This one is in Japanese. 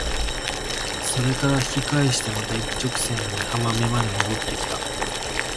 それから引き返してまた一直線に浜辺まで戻って来た。